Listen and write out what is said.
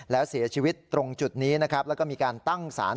แล้วเสียชีวิตตรงและมีการตั้งสาร